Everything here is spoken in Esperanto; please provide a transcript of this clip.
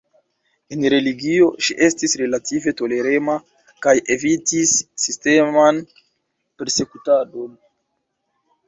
En religio, ŝi estis relative tolerema kaj evitis sisteman persekutadon.